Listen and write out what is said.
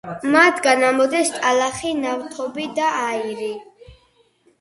მათგან ამოდის ტალახი, ნავთობი და აირი.